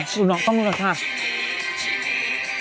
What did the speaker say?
ดูน้องต้องรู้กันค่ะ